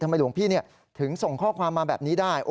ทำไมหลวงพี่นี่ถึงส่งข้อความมาแบบนี้ได้